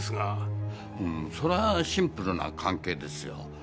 それはシンプルな関係ですよ。